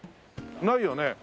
ないよね？